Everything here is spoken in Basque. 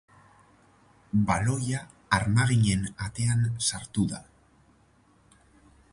Baloia armaginen atean sartu da.